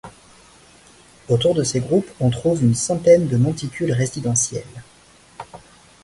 Autour de ces groupes on trouve une centaine de monticules résidentiels.